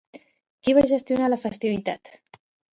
Qui va gestionar la festivitat?